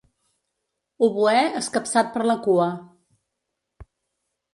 Oboè escapçat per la cua.